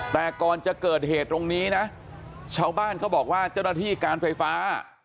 แต่ก่อนจะเกิดเหตุตรงนี้นะชาวบ้านเขาบอกว่าเจ้าหน้าที่การไฟฟ้า